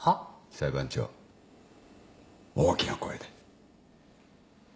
裁判長大きな声で。